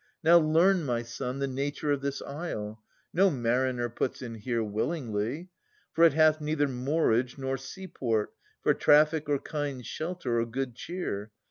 Now learn, my son, the nature of this isle. No mariner puts in here willingly. For it hath neither moorage, nor sea port. For trafSc or kind shelter or good cheer.